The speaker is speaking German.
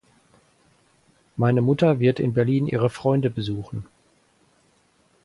Meine Mutter wird in Berlin ihre Freunde besuchen.